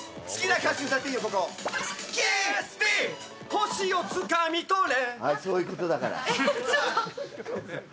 星をつかみ取れ。